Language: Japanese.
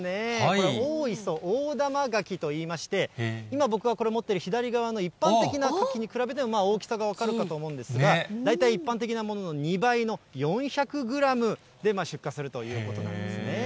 これ、大磯大玉柿といいまして、今、僕が持っている左側の一般的な柿に比べても、大きさが分かるかと思うんですが、大体、一般的なものの２倍の４００グラムで出荷するということなんですね。